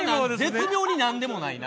絶妙に何でもないな！